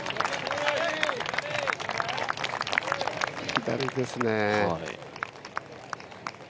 左ですね。